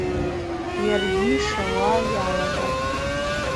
Йаргьи йшауа йалагатӏ.